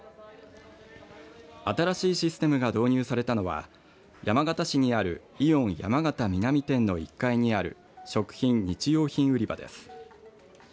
新しいシステムが導入されたのは山形市にあるイオン山形南店の１階にある食品、日用品売り場です。